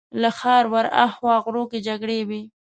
له ښاره ورهاخوا غرو کې جګړې وې.